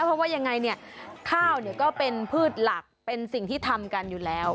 เพราะว่ายังไงเนี่ยข้าวเนี่ยก็เป็นพืชหลักเป็นสิ่งที่ทำกันอยู่แล้ว